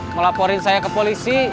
melaporin saya ke polisi